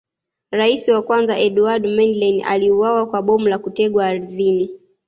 Rais wa kwanza Eduardo Mondlane aliuawa kwa bomu la kutegwa ardhini